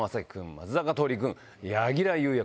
松坂桃李君柳楽優弥